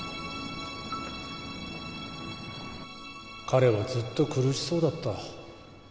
彼はずっと苦しそうだった。